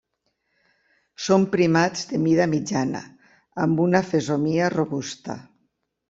Són primats de mida mitjana, amb una fesomia robusta.